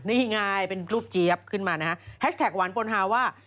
นี่ไงเป็นรูปเจี๊ยบขึ้นมานะฮะแฮชแท็กหวานปนฮาว่า